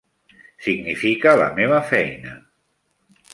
Significa la meva feina!